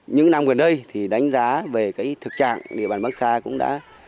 những năm gần đây thì đánh giá về thực trạng địa bàn bắc sa cũng đã